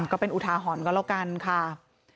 ก็เป็นอุทาหรณ์ก็แล้วกันค่ะ